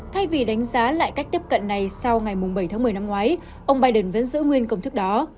thay vì đánh giá lại cách tiếp cận này sau ngày bảy tháng một mươi năm ngoái ông biden vẫn giữ nguyên công thức đó